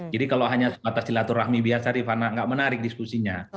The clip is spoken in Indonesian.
jadi kalau hanya atas silaturahmi biasa rifana nggak menarik diskusinya